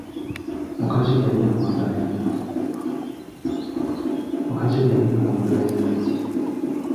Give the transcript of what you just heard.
Mukazi we yali amwagala nnyo.